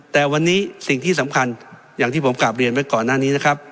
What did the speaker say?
แต่วันนี้สิ่งที่สำคัญอย่างที่ผมกลับเรียนไว้ก่อนหน้านี้นะครับ